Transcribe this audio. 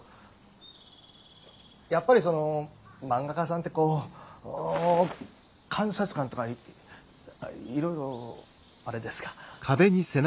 やっぱりその漫画家さんってこう観察眼とかいろいろアレですか。